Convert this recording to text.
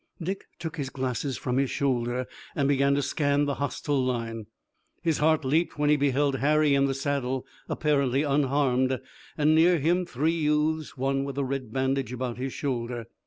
Dick took his glasses from his shoulder and began to scan the hostile line. His heart leaped when he beheld Harry in the saddle, apparently unharmed, and near him three youths, one with a red bandage about his shoulder.